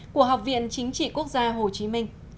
của học viện chính trị quốc gia hồ chí minh